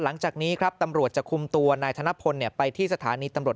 หลังจากนี้ครับตำรวจจะคุมตัวนายธนพลไปที่สถานีตำรวจ